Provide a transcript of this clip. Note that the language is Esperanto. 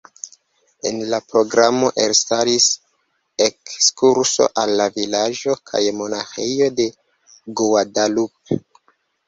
En la programo elstaris ekskurso al la vilaĝo kaj monaĥejo de Guadalupe.